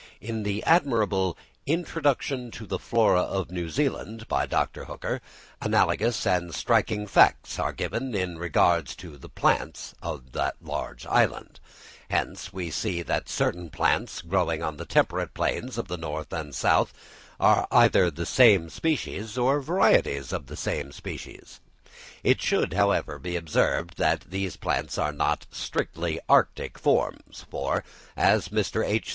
In the admirable "Introduction to the Flora of New Zealand," by Dr. Hooker, analogous and striking facts are given in regard to the plants of that large island. Hence, we see that certain plants growing on the more lofty mountains of the tropics in all parts of the world, and on the temperate plains of the north and south, are either the same species or varieties of the same species. It should, however, be observed that these plants are not strictly arctic forms; for, as Mr. H.